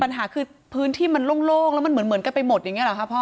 ปัญหาคือพื้นที่มันโล่งแล้วมันเหมือนกันไปหมดอย่างนี้หรอคะพ่อ